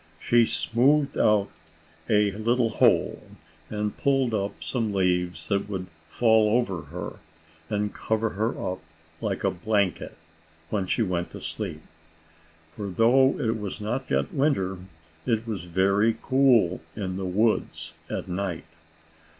She smoothed out a little hole, and pulled up some leaves that would fall over her, and cover her up like a blanket, when she went to sleep. For though it was not yet winter, it was very cool in the woods at night.